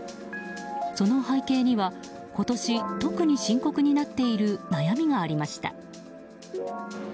その背景には今年、特に深刻になっている悩みがありました。